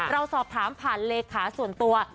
เราสอบถามผ่านเลขาส่วนตัว